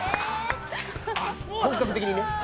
本格的にね。